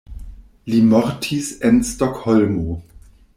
Li mortis en Stokholmo.